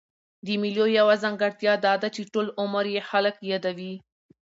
د مېلو یوه ځانګړتیا دا ده، چي ټول عمر ئې خلک يادوي.